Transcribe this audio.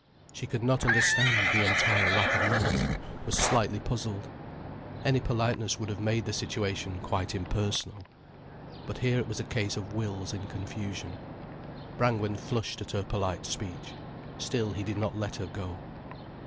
She could not understand the entire lack of manners, was slightly puzzled. Any politeness would have made the situation quite impersonal. But here it was a case of wills in confusion. Brangwen flushed at her polite speech. Still he did not let her go.